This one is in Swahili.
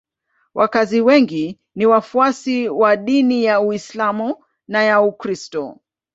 Wakazi wengi ni wafuasi wa dini ya Uislamu na ya Ukristo.